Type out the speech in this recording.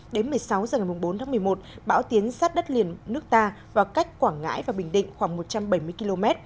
đến một mươi sáu h ngày bốn tháng một mươi một bão tiến sát đất liền nước ta vào cách quảng ngãi và bình định khoảng một trăm bảy mươi km